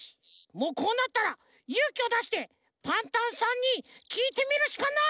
もうこうなったらゆうきをだしてパンタンさんにきいてみるしかない！